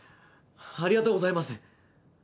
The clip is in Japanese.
ありがとうございます！